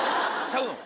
ちゃうの？